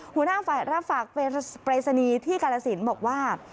หัวหน้าฝ่ายรับฝากปรายศนีย์ที่กาลสินบอกว่า